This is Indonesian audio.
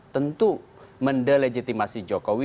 tentu mendilegitimasi jokowi